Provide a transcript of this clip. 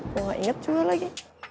gue gak inget juga lagi